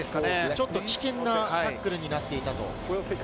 ちょっと危険なタックルになっていたと。